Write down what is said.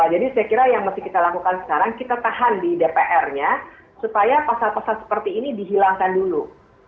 jadi saya kira yang mesti kita lakukan sekarang kita tahan di dpr nya supaya pasal pasal seperti ini dihilangkan dulu